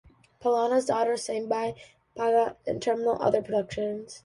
Pallana's daughter Sandhya Pallana worked with him on The Terminal and other productions.